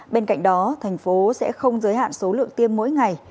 bên cạnh đó tp hcm sẽ không giới hạn số lượng tiêm mỗi ngày